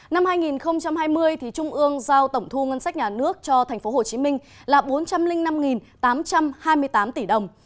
năm hai nghìn hai mươi thì trung ương giao tổng thu ngân sách nhà nước cho thành phố hồ chí minh là bốn trăm linh năm tám trăm hai mươi tám tỷ đồng